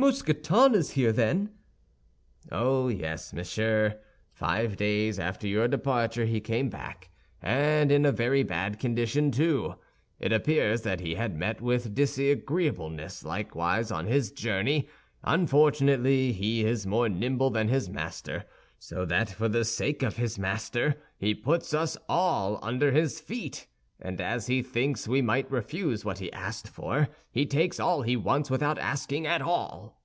Mousqueton is here, then?" "Oh, yes, monsieur. Five days after your departure, he came back, and in a very bad condition, too. It appears that he had met with disagreeableness, likewise, on his journey. Unfortunately, he is more nimble than his master; so that for the sake of his master, he puts us all under his feet, and as he thinks we might refuse what he asked for, he takes all he wants without asking at all."